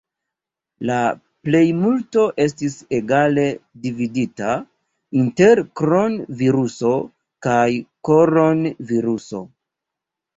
La plejmulto estis egale dividita inter kron-viruso kaj koron-viruso.